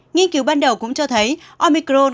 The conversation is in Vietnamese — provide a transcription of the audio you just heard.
nghiên cứu ban đầu cũng cho thấy omicron